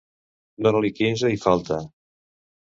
Donar-li quinze i falta.